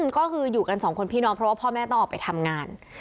ก็คืออยู่กันสองคนพี่น้องเพราะว่าพ่อแม่ต้องออกไปทำงาน